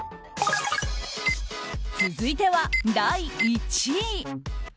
続いては、第１位。